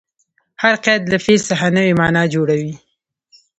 هر قید له فعل څخه نوې مانا جوړوي.